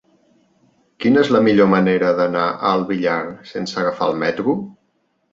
Quina és la millor manera d'anar al Villar sense agafar el metro?